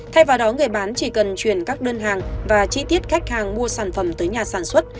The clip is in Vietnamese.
thay vào đó người bán chỉ cần chuyển các đơn hàng và chi tiết khách hàng mua sản phẩm tới nhà sản xuất